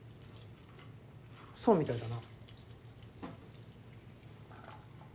そうみたいだな。